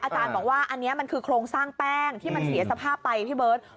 อาจารย์บอกว่าอันนี้มันคือโครงสร้างแป้งที่มันเสียสภาพไปพี่เบิร์ต